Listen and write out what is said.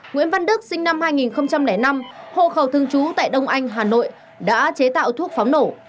nguyễn văn đức sinh năm hai nghìn năm hộ khẩu thương chú tại đông anh hà nội đã chế tạo thuốc pháo nổ